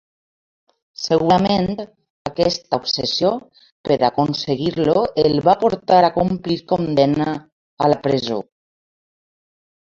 Segurament aquesta obsessió per aconseguir-lo el va portar complir condemna a la presó.